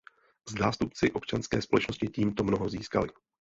Zástupci občanské společnosti tímto mnoho získali.